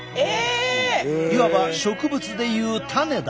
いわば植物でいう種だ。